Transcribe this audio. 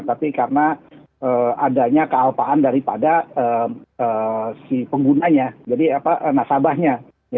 tapi karena adanya kealpaan daripada si penggunanya jadi nasabahnya